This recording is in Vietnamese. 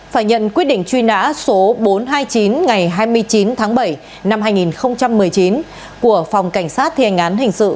phải nhận quyết định truy nã số bốn trăm hai mươi chín ngày hai mươi chín tháng bảy năm hai nghìn một mươi chín của phòng cảnh sát thi hành án hình sự